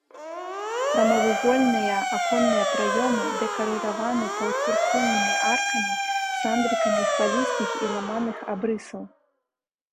Прамавугольныя аконныя праёмы дэкарыраваны паўцыркульнымі аркамі, сандрыкамі хвалістых і ламаных абрысаў.